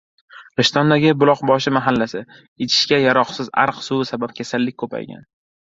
Rishtondagi Buloqboshi mahallasi: Ichishga yaroqsiz ariq suvi sabab kasallik ko‘paygan